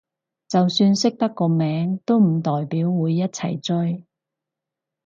就算識得個名都唔代表會一齊追